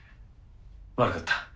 悪かった。